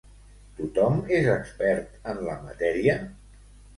Tothom és expert en la matèria?